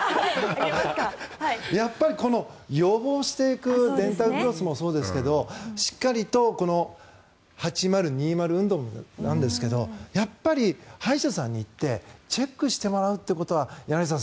やっぱり予防していくデンタルフロスもそうですがしっかりと８０２０運動もなんですけどやっぱり歯医者さんに行ってチェックしてもらうことは柳澤さん